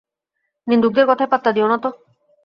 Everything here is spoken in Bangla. নিন্দুকদের কথায় পাত্তা দিয়ো নাতো!